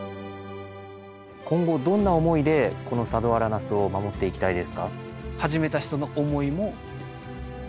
今後どんな思いでこの佐土原ナスを守っていきたいですか？